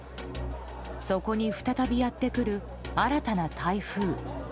そこに再びやってくる新たな台風。